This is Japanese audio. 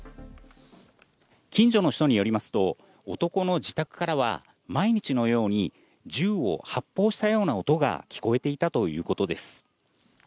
近所の人によりますと、男の自宅からは毎日のように銃を発砲したような音が聞こえていたということです。